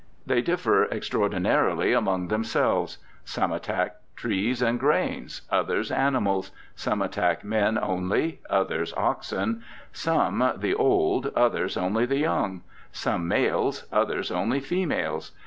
They differ extraordinarily among themselves : some attack trees and grains, others animals ; some attack men only, others oxen ; some the old, others only the young; some males, others only females.